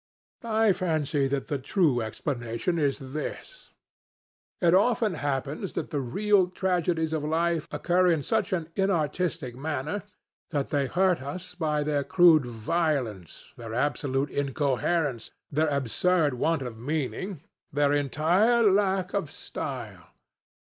I fancy that the true explanation is this: It often happens that the real tragedies of life occur in such an inartistic manner that they hurt us by their crude violence, their absolute incoherence, their absurd want of meaning, their entire lack of style.